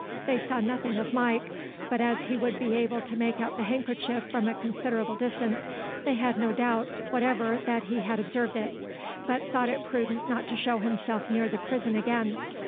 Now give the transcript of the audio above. They saw nothing of Mike, but as he would be able to make out the handkerchief from a considerable distance, they had no doubt whatever that he had observed it, but thought it prudent not to show himself near the prison again.